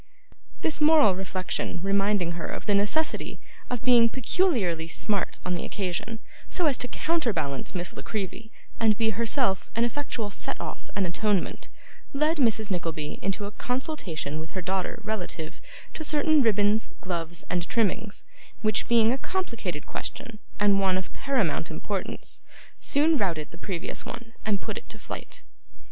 This moral reflection reminding her of the necessity of being peculiarly smart on the occasion, so as to counterbalance Miss La Creevy, and be herself an effectual set off and atonement, led Mrs. Nickleby into a consultation with her daughter relative to certain ribbons, gloves, and trimmings: which, being a complicated question, and one of paramount importance, soon routed the previous one, and put it to flight.